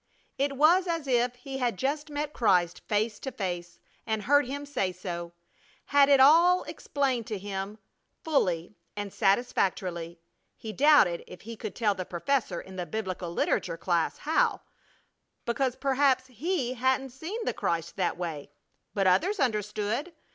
It was as if he had just met Christ face to face and heard Him say so; had it all explained to him fully and satisfactorily. He doubted if he could tell the professor in the Biblical Literature class how, because perhaps he hadn't seen the Christ that way; but others understood!